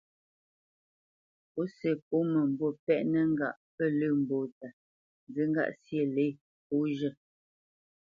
Pǔsi pô mə̂mbû pɛ́ʼnə ŋgâʼ pə lə̂ mbóta, nzí ŋgâʼ syê lě pó zhə́.